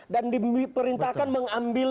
dan diperintahkan mengambil